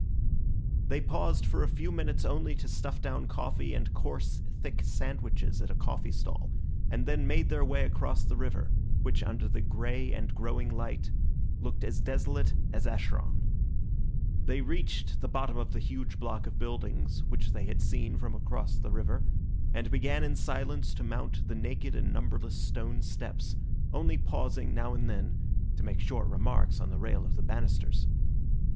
They paused for a few minutes only to stuff down coffee and coarse thick sandwiches at a coffee stall, and then made their way across the river, which under the grey and growing light looked as desolate as Acheron. They reached the bottom of the huge block of buildings which they had seen from across the river, and began in silence to mount the naked and numberless stone steps, only pausing now and then to make short remarks on the rail of the banisters.